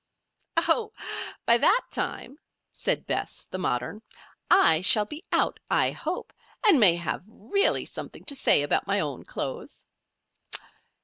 "Oh, by that time," said Bess, the modern, "I shall be 'out,' I hope, and may have really something to say about my own clothes."